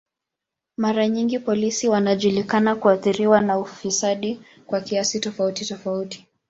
Mara nyingi polisi wanajulikana kuathiriwa na ufisadi kwa kiasi tofauti tofauti.